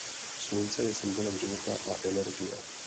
Slunce je symbolem života a energie.